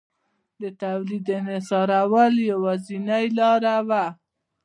د تولید انحصارول یوازینۍ لار وه